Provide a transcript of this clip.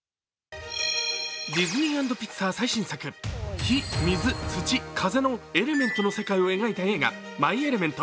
ディズニー＆ピクサー最新作、火・水・土・風のエレメントの世界を描いた映画「マイ・エレメント」